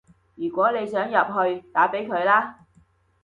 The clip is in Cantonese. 如果你想入去，打畀佢啦